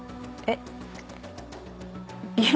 えっ。